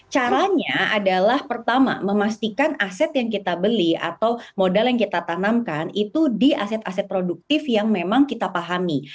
caranya adalah pertama memastikan aset yang kita beli atau modal yang kita tanamkan itu di aset aset produktif yang memang kita pahami